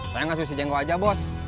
saya nggak susi jenggo aja bos